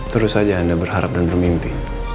terus saja anda berharap dan bermimpi